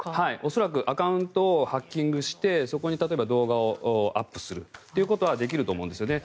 恐らくアカウントをハッキングしてそこに例えば動画をアップするということはできると思うんですよね。